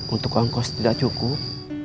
untuk angkos tidak cukup